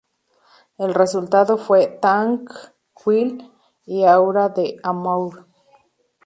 El resultado fue "Tant Qu'il Y Aura De L’amour".